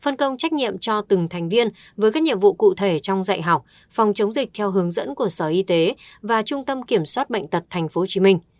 phân công trách nhiệm cho từng thành viên với các nhiệm vụ cụ thể trong dạy học phòng chống dịch theo hướng dẫn của sở y tế và trung tâm kiểm soát bệnh tật tp hcm